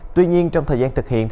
tuy nhiên trong thời gian thực hiện